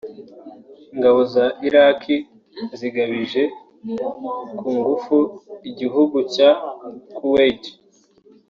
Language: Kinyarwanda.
Ingabo za Iraqi zigabije ku ngufu igihugu cya Kuwait